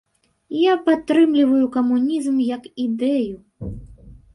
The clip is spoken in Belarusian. Я падтрымліваю камунізм як ідэю.